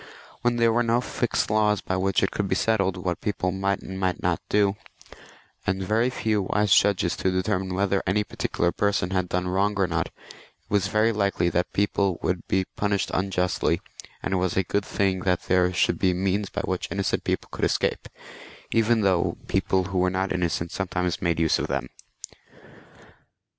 When there were no fixed laws by which it could be settled what people might and might not do, and very few wise judges to determine whether any particular person had done wrong or not, it was very likely that people would be punished unjustly, and it was a good thing that there should be means by which innocent people could escape, even though people who were not innocent sometimes made use of them.